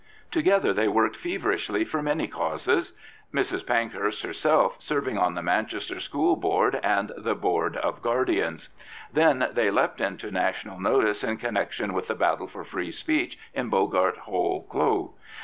Together they worked feverishly for many causes, Mrs. Pankhurst herself serving on the Manchester School Board and the 143 Prophets, Priests, and Kings Board of Guardians. Then they leapt into national notice in connection with the battle for free speech in Boggart Hole Clough.